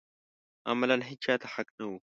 عملاً هېچا ته حق نه و